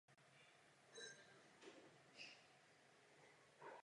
Po jižní straně se nachází sakristie a v západním průčelí má kostel hranolovou věž.